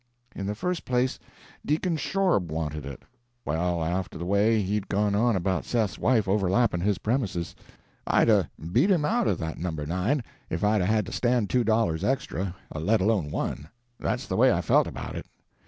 In the first place, Deacon Shorb wanted it. Well, after the way he'd gone on about Seth's wife overlappin' his prem'ses, I'd 'a' beat him out of that No. 9 if I'd 'a' had to stand two dollars extra, let alone one. That's the way I felt about it.